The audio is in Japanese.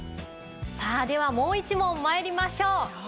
さあではもう一問参りましょう。